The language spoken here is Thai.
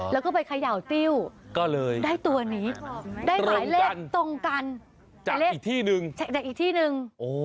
แล้วก็ไปเขย่าติ้วก็เลยได้ตัวนี้ได้หมายเลขตรงกันจากเลขอีกที่หนึ่งจากอีกที่หนึ่ง